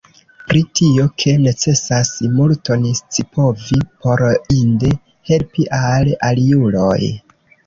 Pri tio, ke necesas multon scipovi, por inde helpi al aliuloj.